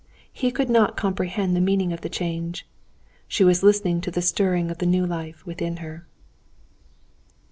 He could not comprehend the meaning of the change. She was listening to the stirring of the new life within her.